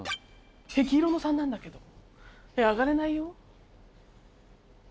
黄色の３なんだけどえっ上がれないよ。